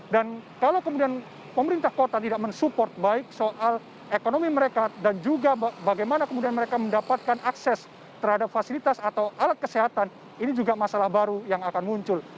dan kalau kemudian pemerintah kota tidak mensupport baik soal ekonomi mereka dan juga bagaimana kemudian mereka mendapatkan akses terhadap fasilitas atau alat kesehatan ini juga masalah baru yang akan muncul